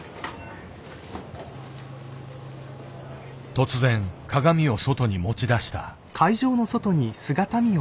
突然鏡を外に持ち出した。